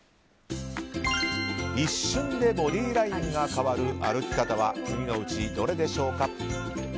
一瞬でボディーラインが変わる歩き方は次のうちどれでしょうか？